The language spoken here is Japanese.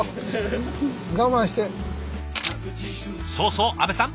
そうそう阿部さん